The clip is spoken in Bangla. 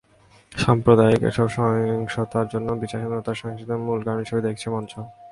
সাম্প্রদায়িক এসব সহিংসতার জন্য বিচারহীনতার সংস্কৃতিকে মূল কারণ হিসেবে দেখছে মঞ্চ।